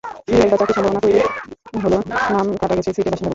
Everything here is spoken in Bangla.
দু-একবার চাকরির সম্ভাবনা তৈরি হলেও নাম কাটা গেছে ছিটের বাসিন্দা বলে।